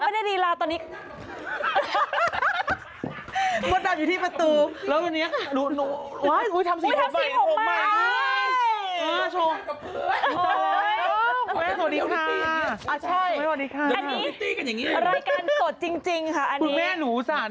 พี่แฟน